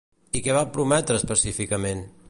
I què va prometre específicament?